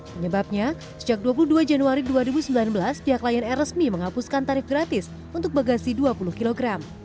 penyebabnya sejak dua puluh dua januari dua ribu sembilan belas pihak lion air resmi menghapuskan tarif gratis untuk bagasi dua puluh kg